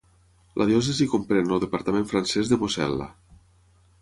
La diòcesi comprèn el departament francès de Mosel·la.